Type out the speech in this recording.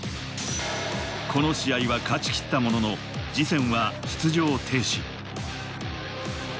この試合は勝ち切ったものの、次戦は出場停止。